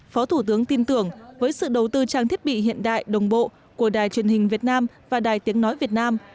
phó thủ tướng tin tưởng với sự đầu tư trang thiết bị hiện đại đồng bộ của đài truyền hình việt nam và đài tiếng nói việt nam